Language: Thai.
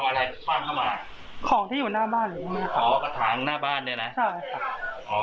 เอาอะไรปลาเข้ามาของที่อยู่หน้าบ้านอ๋อกระถางหน้าบ้านเนี้ยนะใช่ค่ะ